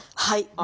はい。